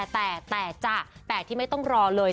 แต่จะแต่ที่ไม่ต้องรอเลย